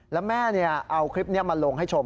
แล้วแม่เอาคลิปนี้มาลงให้ชม